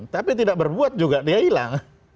tapi tidak berbuat juga dia hilang